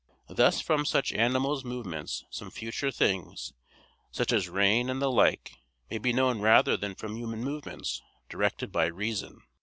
Thus from such animals' movements some future things, such as rain and the like, may be known rather than from human movements directed by reason.